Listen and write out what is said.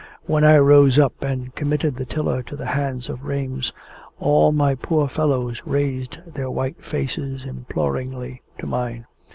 When I rose up and committed the tiller to the hands of Rames, all my poor follows raised their white faces imploringly to mine.